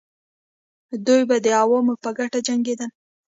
دوی به د عوامو په ګټه جنګېدل.